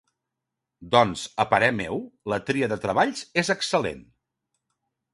Doncs, a parer meu, la tria de treballs és excel·lent.